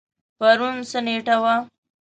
پرون څه نیټه وه؟